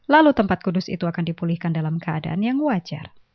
lalu tempat kudus itu akan dipulihkan dalam keadaan yang wajar